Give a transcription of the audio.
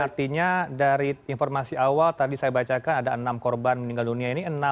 artinya dari informasi awal tadi saya bacakan ada enam korban meninggal dunia ini